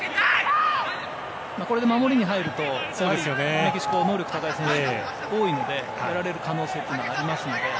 これで守りに入るとメキシコは能力高い選手が多いのでやられる可能性はありますので。